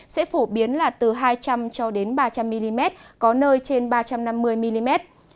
sẽ phổ biến là từ hai trăm linh cho đến ba trăm linh mm có nơi trên ba trăm năm mươi mm